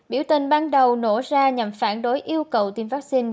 biểu tình ban đầu nổ ra nhằm phản đối yêu cầu tiêm vaccine